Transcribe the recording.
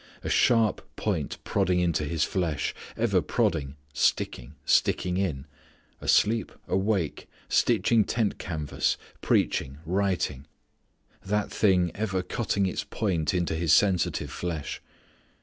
A sharp point prodding into his flesh, ever prodding, sticking, sticking in; asleep, awake, stitching tent canvas, preaching, writing, that thing ever cutting its point into his sensitive flesh.